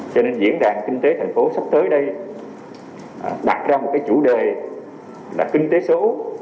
cho nên diễn đàn kinh tế tp hcm sắp tới đây đặt ra một chủ đề là kinh tế số